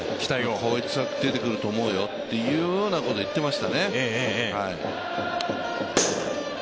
こいつは出てくると思うよっていうようなことを言ってましたね。